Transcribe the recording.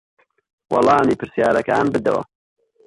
وەڵامی پرسیارەکان بدەوە.